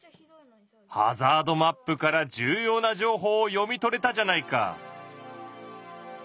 ハザードマップから重要な情報を読み取れたじゃないか！